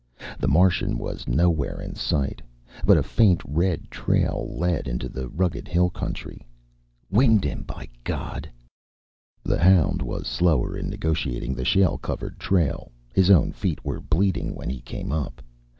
The Martian was nowhere in sight, but a faint red trail led into the rugged hill country. Winged him, by God! The hound was slower in negotiating the shale covered trail; his own feet were bleeding when he came up.